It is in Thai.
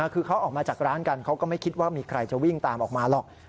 คือเขาออกมาจากร้านกันเขาก็ไม่คิดว่ามีใครจะวิ่งตามออกมาหรอก